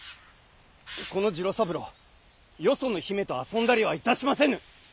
この次郎三郎よその姫と遊んだりはいたしませぬ！